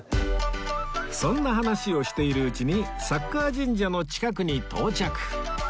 そんな話をしているうちにサッカー神社の近くに到着